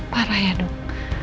parah ya dong